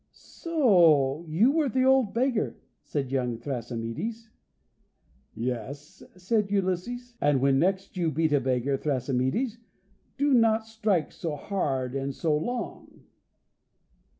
"So you were the old beggar," said young Thrasymedes. "Yes," said Ulysses, "and when next you beat a beggar, Thrasymedes, do not strike so hard and so long."